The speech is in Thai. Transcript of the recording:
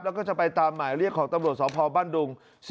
แล้วก็จะไปตามหมายเรียกของตำรวจสพบ้านดุง